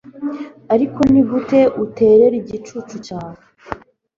ariko nigute uterera igicucu cyawe